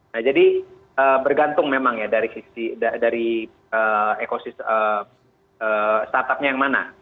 nah jadi bergantung memang ya dari ekosistem startup nya yang mana